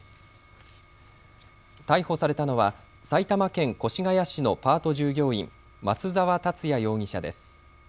逮捕されたのは埼玉県越谷市のパート従業員、松澤達也容疑者です。